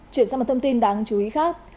chuyển sang một thông tin đáng chú ý khác